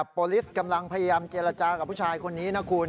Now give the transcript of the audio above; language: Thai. โปรลิสกำลังพยายามเจรจากับผู้ชายคนนี้นะคุณ